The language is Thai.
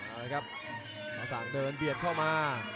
เอาละครับมาสั่งเดินเบียดเข้ามา